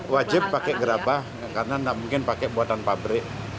wajib pakai gerabah karena tidak mungkin pakai buatan pabrik